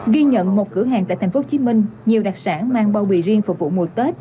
ghi nhận một cửa hàng tại tp hcm nhiều đặc sản mang bao bì riêng phục vụ mùa tết